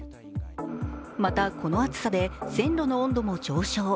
また、この暑さで線路の温度も上昇。